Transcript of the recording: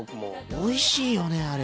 おいしいよねあれ。